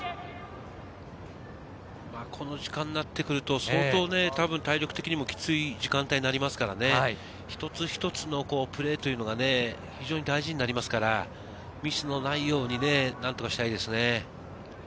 この時間になってくると、相当、多分体力的にもキツい時間帯になりますから一つ一つのプレーというのがね、非常に大事になりますから、ミスのないように何とかしたいですね。